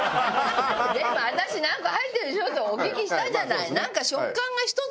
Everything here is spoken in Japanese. でも私「なんか入ってるでしょ？」ってお聞きしたじゃない。